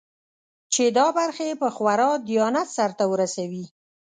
چې دا برخې په خورا دیانت سرته ورسوي.